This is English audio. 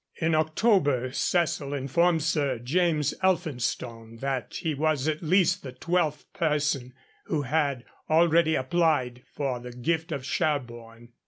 In October Cecil informed Sir James Elphinstone that he was at least the twelfth person who had already applied for the gift of Sherborne.